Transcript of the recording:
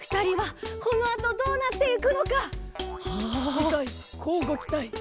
じかいこうごきたい！